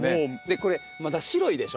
これまだ白いでしょ。